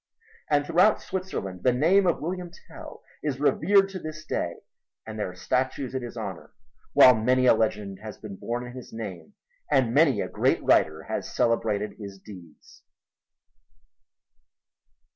And throughout Switzerland the name of William Tell is revered to this day and there are statues in his honor, while many a legend has been born in his name and many a great writer has celebrated his deeds.